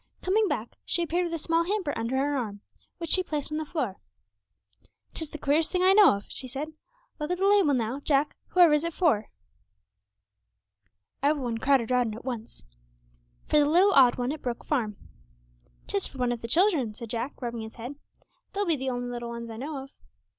Coming back, she appeared with a small hamper under her arm, which she placed on the floor. ''Tis the queerest thing I know of,' she said; 'look at the label now, Jack; whoever is it for?' Every one crowded round at once. 'For the little odd one at Brook Farm.' ''Tis for one of the children,' said Jack, rubbing his head; 'they be the only little 'uns that I know of.'